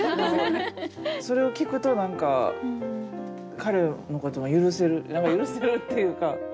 それを聞くと何か彼のことを許せる許せるっていうか。